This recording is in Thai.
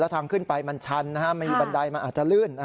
แล้วทางขึ้นไปมันชันไม่มีบันไดมันอาจลื่น